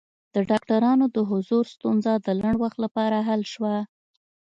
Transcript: د ډاکټرانو د حضور ستونزه د لنډ وخت لپاره حل شوه.